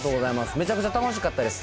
めちゃくちゃ楽しかったです。